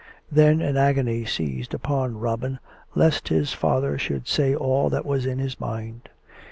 Then an agony seized upon Robin lest his father should say all that was in his mind.